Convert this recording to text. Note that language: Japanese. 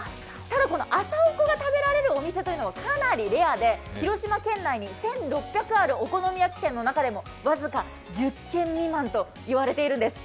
ただ、朝おこが食べられるお店というのはかなりレアで広島県内に１６００あるお好み焼き店の中で僅か１０軒未満といわれているんです。